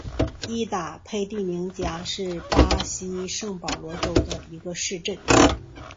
伊塔佩蒂宁加是巴西圣保罗州的一个市镇。